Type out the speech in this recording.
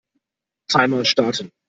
Timer starten.